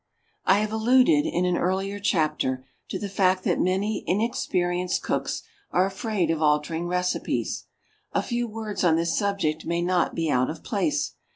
I HAVE alluded, in an earlier chapter, to the fact that many inexperienced cooks are afraid of altering recipes; a few words on this subject may not be out of place.